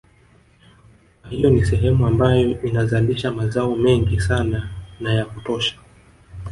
Kwa hiyo ni sehemu ambayo inazalisha mazao mengi sana na ya kutosha